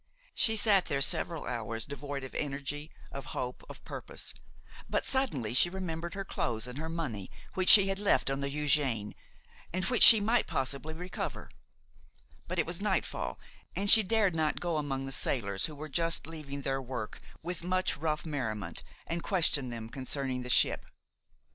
She sat there several hours, devoid of energy, of hope, of purpose; but suddenly she remembered her clothes and her money, which she had left on the Eugène, and which she might possibly recover; but it was nightfall, and she dared not go among the sailors who were just leaving their work with much rough merriment and question them concerning the ship.